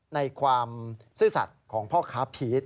ในความซื่อสัตว์ของพ่อค้าพีช